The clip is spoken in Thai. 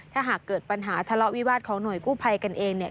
ถ้าหากเกิดปัญหาทะเลาะวิวาสของหน่วยกู้ภัยกันเองเนี่ย